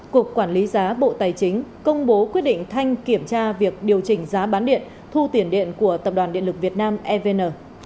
cục quản lý giá bộ tài chính công bố quyết định thanh kiểm tra việc điều chỉnh giá bán điện thu tiền điện của tập đoàn điện lực việt nam evn